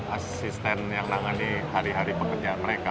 asisten yang menangani hari hari pekerjaan mereka